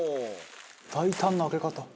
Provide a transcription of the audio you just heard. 大胆な開け方」